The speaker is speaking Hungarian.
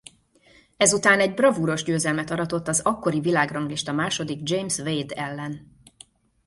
Ezután egy bravúros győzelmet aratott az akkori világranglista második James Wade ellen.